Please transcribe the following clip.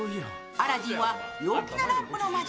アラジンは陽気なランプの魔人・